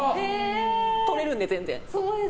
取れるんで、全然。